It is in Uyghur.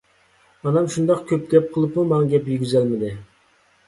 ئانام شۇنداق كۆپ گەپ قىلىپمۇ ماڭا گەپ يېگۈزەلمىدى.